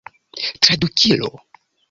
tradukilo